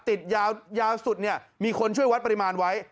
ติดยาวยาวสุดมีคนช่วยวัดปริมาณไว้